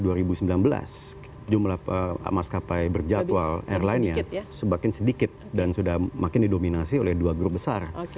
di jumlah maskapai berjadwal airline nya semakin sedikit dan sudah makin didominasi oleh dua grup besar